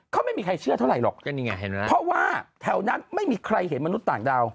เขาไม่มีใครเชื่อเท่าไหรหรอกเพราะว่าแถวนั้นไม่มีใครเห็นมนุษย์ต่างดาว